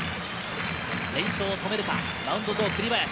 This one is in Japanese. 連勝を止めるか、マウンド上、栗林。